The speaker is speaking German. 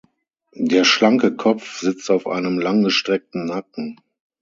Der schlanke Kopf sitzt auf einem langgestreckten Nacken.